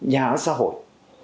nhà ở xã hội